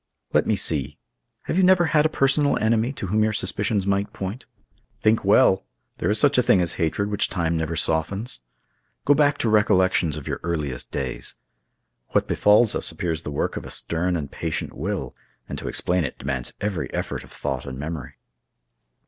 "Let me see! Have you never had a personal enemy, to whom your suspicions might point? Think well! There is such a thing as hatred which time never softens. Go back to recollections of your earliest days. What befalls us appears the work of a stern and patient will, and to explain it demands every effort of thought and memory."